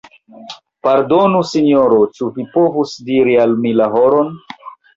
Pardonu Sinjoro, ĉu vi povus diri al mi la horon?